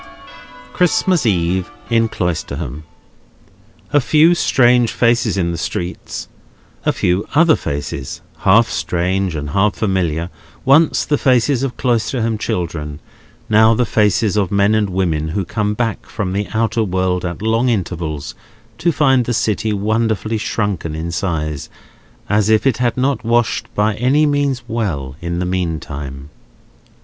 Christmas Eve in Cloisterham. A few strange faces in the streets; a few other faces, half strange and half familiar, once the faces of Cloisterham children, now the faces of men and women who come back from the outer world at long intervals to find the city wonderfully shrunken in size, as if it had not washed by any means well in the meanwhile.